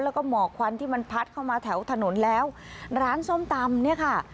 แล้วก็หมอกควันที่มันพัดเข้ามาแถวถนนแล้วร้านส้มตำเนี่ยค่ะ